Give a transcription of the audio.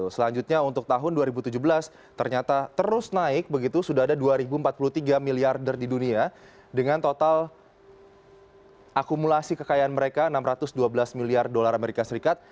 selanjutnya untuk tahun dua ribu tujuh belas ternyata terus naik begitu sudah ada dua empat puluh tiga miliarder di dunia dengan total akumulasi kekayaan mereka enam ratus dua belas miliar dolar amerika serikat